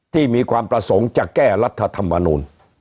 ที่มีความประสงค์จะแก้รัฐธรรมนูล